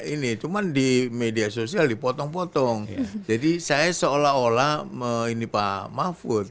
ini cuman di media sosial dipotong potong jadi saya seolah olah ini pak mahfud